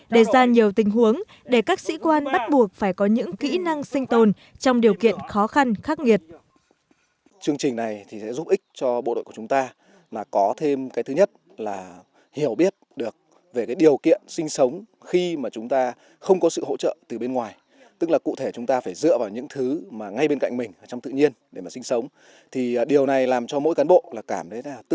để ra nhiều tình huống để các sĩ quan bắt buộc phải có những kỹ năng sinh tồn trong điều kiện khó khăn khắc nghiệt